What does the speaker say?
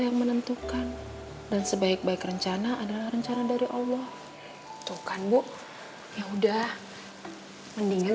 yang menentukan dan sebaik baik rencana adalah rencana dari allah bahkan ibu udah mendingan